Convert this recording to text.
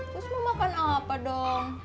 terus mau makan apa apa dong